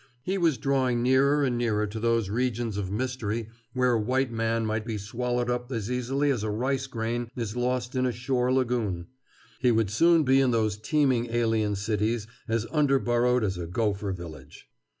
He was drawing nearer and nearer to those regions of mystery where a white man might be swallowed up as easily as a rice grain is lost in a shore lagoon. He would soon be in those teeming alien cities as under burrowed as a gopher village.